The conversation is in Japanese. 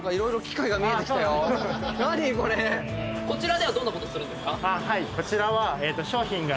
こちらではどんなことするんですか？